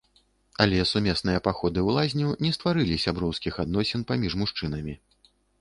Але сумесныя паходы ў лазню не стварылі сяброўскіх адносін паміж мужчынамі.